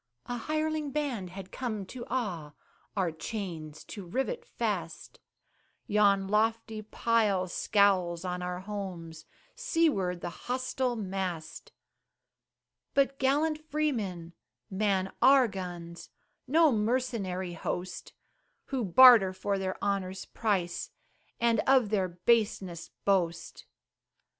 A hireling band had come to awe, Our chains to rivet fast; Yon lofty pile scowls on our homes, Seaward the hostile mast. But gallant freemen man our guns No mercenary host, Who barter for their honor's price, And of their baseness boast.